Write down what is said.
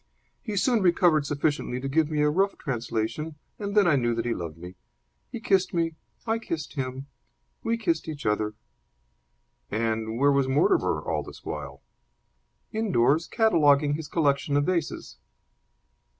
He soon recovered sufficiently to give me a rough translation, and then I knew that he loved me. He kissed me. I kissed him. We kissed each other." "And where was Mortimer all this while?" "Indoors, cataloguing his collection of vases."